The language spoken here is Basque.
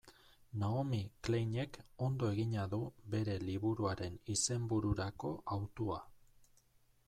Naomi Kleinek ondo egina du bere liburuaren izenbururako hautua.